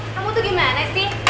kamu tuh gimana sih